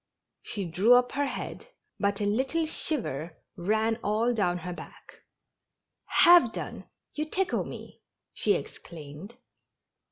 She drew up her head, but a little shiver ran all down her back, '' Have done I You tickle me !" she exclaimed.